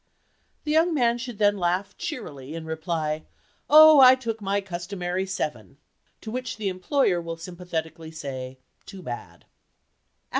The young man should then laugh cheerily and reply, "Oh, I took my customary seven." To which the employer will sympathetically say, "Too bad!"